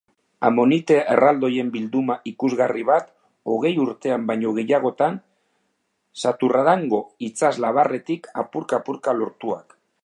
Amonite erraldoien bilduma ikusgarri bat, hogei urtean baino gehiagoan Saturrarango itsaslabarretatik apurka-apurka lortua.